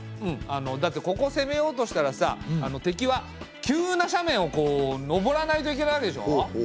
だってここを攻めようとしたらさ敵は急な斜面をこう登らないといけないわけでしょ。